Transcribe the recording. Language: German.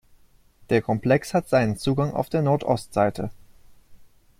Der Komplex hat seinen Zugang auf der Nordostseite.